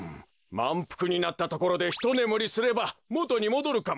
まんぷくになったところでひとねむりすればもとにもどるかもしれませんな。